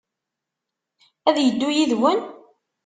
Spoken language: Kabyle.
Ad yeddu yid-wen?